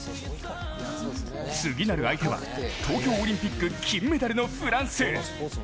次なる相手は東京オリンピック金メダルのフランス。